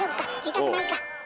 痛くないか？